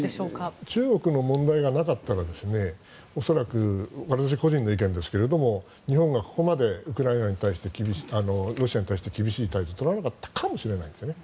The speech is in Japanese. もし中国の問題がなかったら恐らく、私個人の意見ですが日本がここまでロシアに対して厳しい態度を取らなかったかもしれないんですよね。